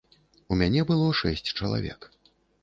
У мяне было шэсць чалавек.